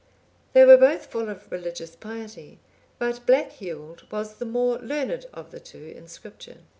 (827) They were both full of religious piety, but Black Hewald was the more learned of the two in Scripture.